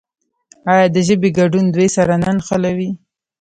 آیا د ژبې ګډون دوی سره نه نښلوي؟